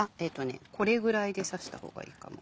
これぐらいで刺した方がいいかも。